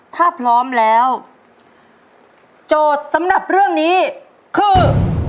ถ้าพร้อมแล้วโจทย์สำหรับเรื่องนี้คือ